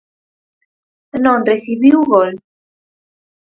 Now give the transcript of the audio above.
Non recibiu gol.